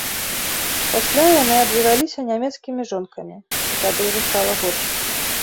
Пасля яны абзавяліся нямецкімі жонкамі, і тады ўжо стала горш.